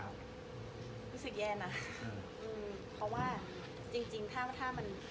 รู้สึกแย่นะ